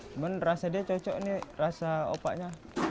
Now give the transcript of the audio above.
cuman rasa dia cocok nih rasa opaknya